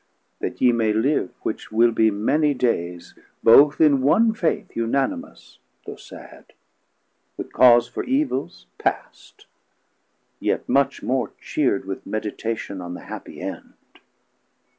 600 That ye may live, which will be many dayes, Both in one Faith unanimous though sad, With cause for evils past, yet much more cheer'd With meditation on the happie end.